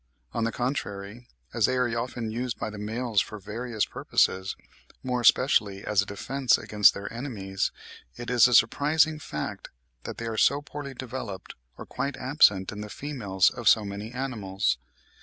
On the contrary, as they are often used by the males for various purposes, more especially as a defence against their enemies, it is a surprising fact that they are so poorly developed, or quite absent, in the females of so many animals.